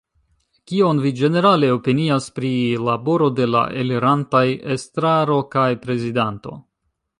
Kion vi ĝenerale opinias pri laboro de la elirantaj estraro kaj prezidanto?